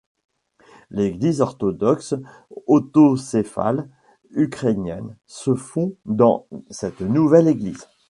L'Église orthodoxe autocéphale ukrainienne se fond dans cette nouvelle Église.